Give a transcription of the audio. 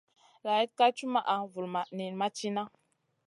Laaɗ ka cumaʼa, vulmaʼ niyn ma cina.